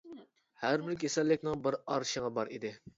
ھەر بىر كېسەللىكنىڭ بىر ئارىشىڭى بار ئىدى.